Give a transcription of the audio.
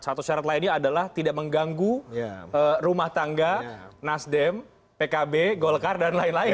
satu syarat lainnya adalah tidak mengganggu rumah tangga nasdem pkb golkar dan lain lain